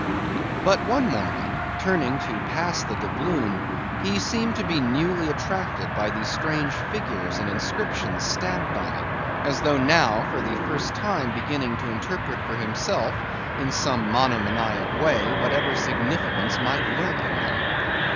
But one morning, turning to pass the doubloon, he seemed to be newly attracted by the strange figures and inscriptions stamped on it, as though now for the first time beginning to interpret for himself in some monomaniac way whatever significance might lurk in them.